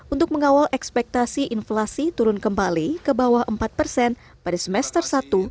untuk mengawal ekspektasi inflasi turun kembali ke bawah empat persen pada semester satu dua ribu dua puluh tiga